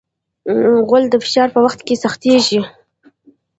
غول د فشار په وخت سختېږي.